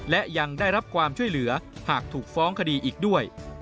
และยังได้รับความช่วยเหลือหากถูกฟ้องคดีอีกด้วย